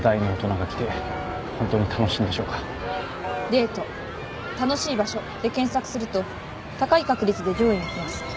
「デート」「楽しい場所」で検索すると高い確率で上位に来ます。